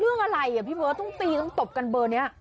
เรื่องอะไรต้องตีถึงตบกันเบอร์นี้